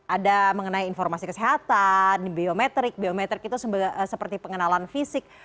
ada mengenai informasi kesehatan biometrik biometrik itu seperti pengenalan fisik